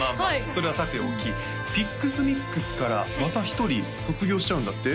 それはさておきＰｉＸＭｉＸからまた１人卒業しちゃうんだって？